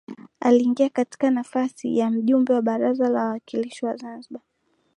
Aliingia katika nafasi ya Mjumbe wa Baraza la Wawakilishi wa Zanzibar